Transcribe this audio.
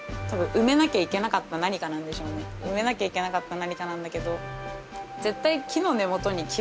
埋めなきゃいけなかった何かなんだけど。